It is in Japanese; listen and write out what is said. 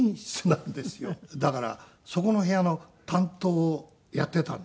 だからそこの部屋の担当をやっていたんですね。